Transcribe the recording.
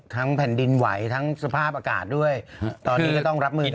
แผ่นดินไหวทั้งสภาพอากาศด้วยตอนนี้ก็ต้องรับมือกัน